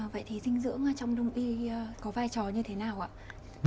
vậy thì dinh dưỡng trong đông y có vai trò như thế nào ạ